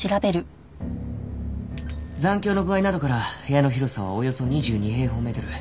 残響の具合などから部屋の広さはおよそ２２平方メートル。